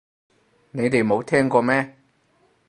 你哋冇聽過咩